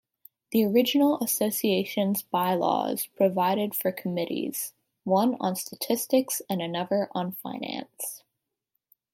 The original association's By-laws provided for committees: one on statistics and another on finance.